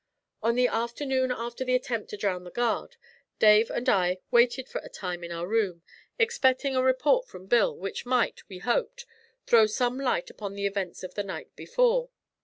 On the morning after the attempt to drown the guard, Dave and I waited for a time in our room, expecting a report from Bill, which might, we hoped, throw some light upon the events of the night before.